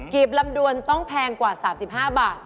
ีบลำดวนต้องแพงกว่า๓๕บาท